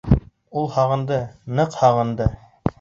Ул һағынды, ныҡ һағынды...